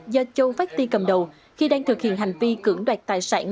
do châu pháp tì cầm đầu khi đang thực hiện hành vi cưỡng đoạt tài sản